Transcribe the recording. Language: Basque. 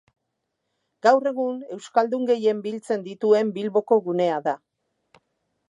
Gaur egun, euskaldun gehien biltzen dituen Bilboko gunea da.